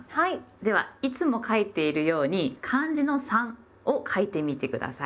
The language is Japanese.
ではいつも書いているように漢字の「三」を書いてみて下さい。